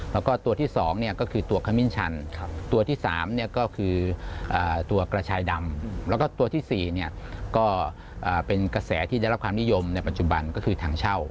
แล้วก็ตัวที่๒ก็คือตัวขมิ้นชันตัวที่๓ก็คือตัวกระชายดำแล้วก็ตัวที่๔ก็เป็นกระแสที่ได้รับความนิยมในปัจจุบันก็คือถังเช่า